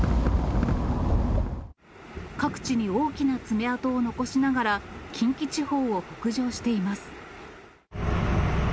各地に大きな爪痕を残しながら、近畿地方を北上しています。